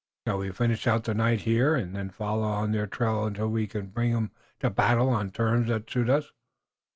Shall we finish out the night here, and then follow on their trail until we can bring 'em to battle on terms that suit us?"